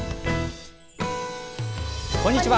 こんにちは。